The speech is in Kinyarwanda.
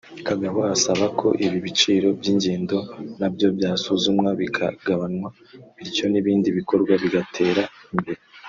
Kagabo asaba ko ibi biciro by’ingendo nabyo byasuzumwa bikagabanywa bityo n’ibindi bikorwa bigatera imbere